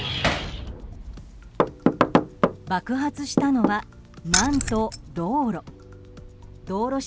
爆発したのは何と、道路。